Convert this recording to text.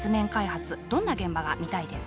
どんな現場が見たいですか？